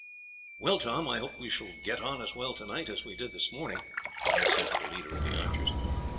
"Well, Tom, I hope we shall get on as well to night as we did this morning," Guy said to the leader of the archers.